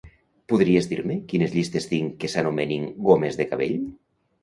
Podries dir-me quines llistes tinc que s'anomenin "gomes de cabell"?